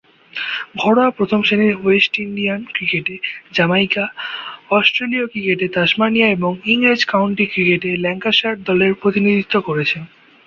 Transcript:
ঘরোয়া প্রথম-শ্রেণীর West Indian ক্রিকেটে জ্যামাইকা, অস্ট্রেলীয় ক্রিকেটে তাসমানিয়া ও ইংরেজ কাউন্টি ক্রিকেটে ল্যাঙ্কাশায়ার দলের প্রতিনিধিত্ব করেছেন।